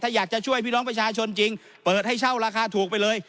ถ้าอยากจะช่วยพี่น้องประชาชนจริงเปิดให้เช่าราคาถูกไปเลย